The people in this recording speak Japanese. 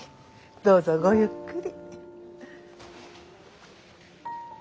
どうぞごゆっくり。